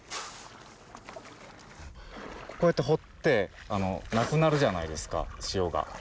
こうやって掘って無くなるじゃないですか塩が。